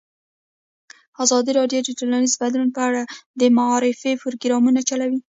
ازادي راډیو د ټولنیز بدلون په اړه د معارفې پروګرامونه چلولي.